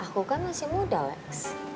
aku kan masih muda lex